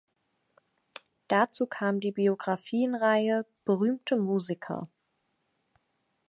Dazu kam die Biographienreihe "Berühmte Musiker".